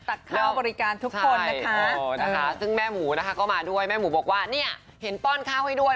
ข้าวบริการทุกคนนะคะซึ่งแม่หมูนะคะก็มาด้วยแม่หมูบอกว่าเนี่ยเห็นป้อนข้าวให้ด้วย